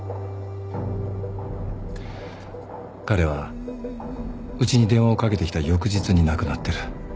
彼はうちに電話をかけてきた翌日に亡くなってる。